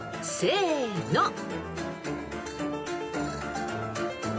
［せの］